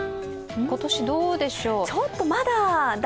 今年どうでしょう。